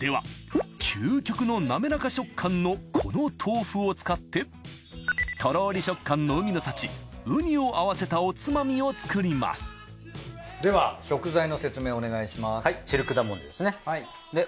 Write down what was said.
では究極のなめらか食感のこの豆腐を使ってとろり食感の海の幸ウニを合わせたおつまみを作りますでは食材の説明お願いします。